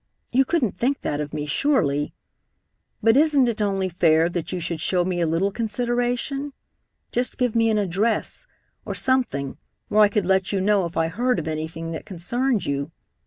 You couldn't think that of me, surely. But isn't it only fair that you should show me a little consideration? Just give me an address, or something, where I could let you know if I heard of anything that concerned you.